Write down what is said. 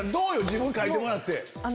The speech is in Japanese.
自分描いてもらって。